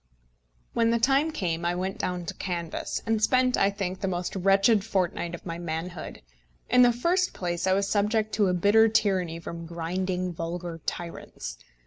When the time came I went down to canvass, and spent, I think, the most wretched fortnight of my manhood. In the first place, I was subject to a bitter tyranny from grinding vulgar tyrants.